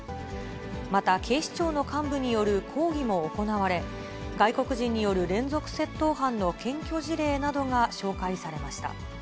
また、警視庁の幹部による講義も行われ、外国人による連続窃盗犯の検挙事例などが紹介されました。